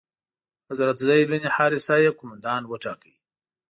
حضرت زید بن حارثه یې قومندان وټاکه.